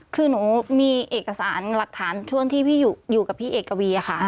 คือหนูมีเอกสารหลักฐานช่วงที่พี่อยู่กับพี่เอกวีค่ะ